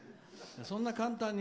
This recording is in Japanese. そんな簡単に。